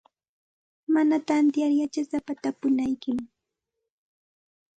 Mana tantiyar yachasapata tapunaykim.